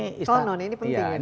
konon ini penting